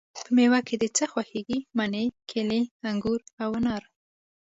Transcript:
په میوه کی د څه خوښیږی؟ مڼې، کیلې، انګور او انار